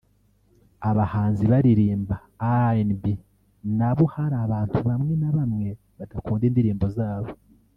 Abahanzi baririmba RnB nabo hari abantu bamwe na bamwe badakunda indirimbo zabo